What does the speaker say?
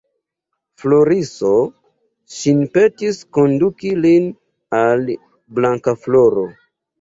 Floriso ŝin petis konduki lin al Blankafloro.